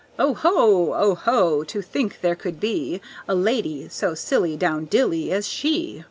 Oh, ho! Oh, ho! to think there could be A lady so silly down dilly as she!